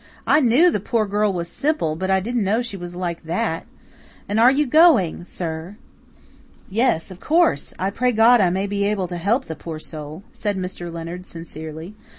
"I knew the poor girl was simple, but I didn't know she was like THAT. And are you going, sir?" "Yes, of course. I pray God I may be able to help the poor soul," said Mr. Leonard sincerely.